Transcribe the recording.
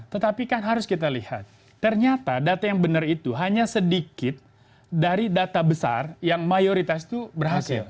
tetapi kan harus kita lihat ternyata data yang benar itu hanya sedikit dari data besar yang mayoritas itu berhasil